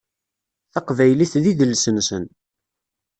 Taqbaylit d idles-nsen.